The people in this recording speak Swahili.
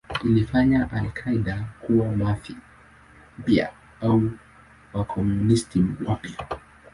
Ilifanya al-Qaeda kuwa Mafia mpya au Wakomunisti wapya.